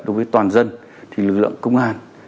đối với toàn dân thì lực lượng công an